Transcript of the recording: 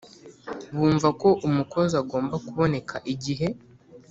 Bumva ko umukozi agomba kuboneka igihe